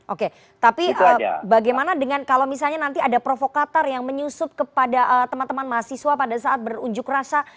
oke tapi bagaimana dengan kalau misalnya nanti ada provokator yang menyusup kepada teman teman mahasiswa pada saat berunjuk rasa